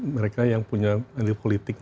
mereka yang punya elit politik